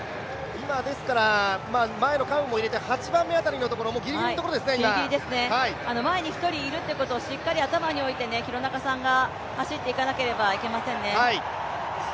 今、前のカウンも入れて８番目の辺り、前に１人いるということをしっかり頭に置いて廣中さんが走っていかなければいけませんね。